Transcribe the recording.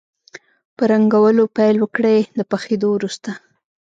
په رنګولو پیل وکړئ د پخېدو وروسته.